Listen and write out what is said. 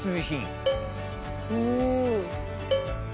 うん。